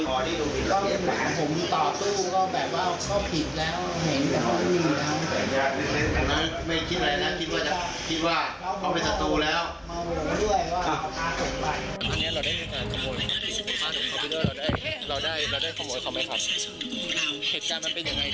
ค่ะ